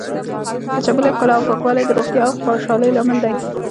د چاپیریال ښکلا او پاکوالی د روغتیا او خوشحالۍ لامل دی.